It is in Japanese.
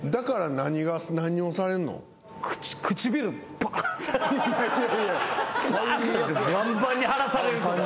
バンバンに腫らされるとか。